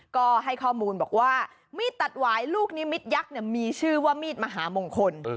ก็ให้ข้อมูลบอกว่ามีดตัดหวายลูกนิมิตยักษ์มีชื่อว่ามีดมหามงคล